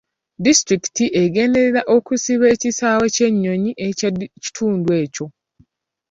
Disitulikiti egenderera okuzimba ekisaawe ky'ennyonyi eky'ekitundu ekyo.